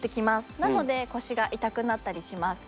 なので腰が痛くなったりします。